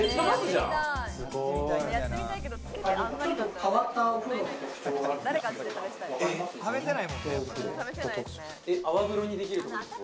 ちょっと変わったお風呂の特徴があるんです。